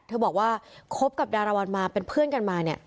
เธอบอกว่าคบกับดาราวัลมาเป็นเพื่อนกันมาเนี่ย